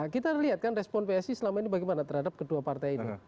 kita lihat kan respon psi selama ini bagaimana terhadap kedua partai ini